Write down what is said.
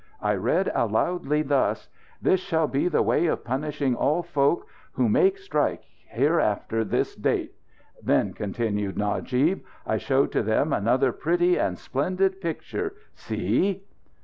I read aloudly, thus: 'This shall be the way of punishing all folk who make strike hereafter this date.' Then," continued Najib, "I showed to them another pretty and splendid picture. See!"